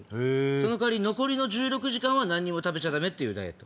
その代わり残りの１６時間は食べちゃダメっていうダイエット。